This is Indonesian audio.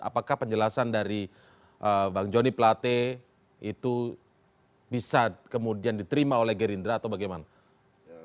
apakah penjelasan dari bang joni plate itu bisa kemudian diterima oleh gerindra atau bagaimana